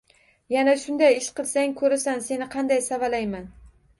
Yana shunday ish qilsang ko'rasan, seni Qanday savalayman.